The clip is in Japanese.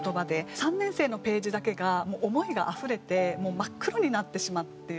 ３年生のページだけがもう思いがあふれてもう真っ黒になってしまうっていう。